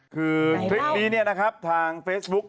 คือคลิปนี้เนี่ยนะครับทางเฟซบุ๊ก